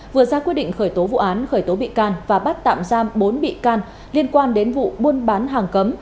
vừa ra quyết định khởi tố vụ án khởi tố bị can và bắt tạm giam bốn bị can liên quan đến vụ buôn bán hàng cấm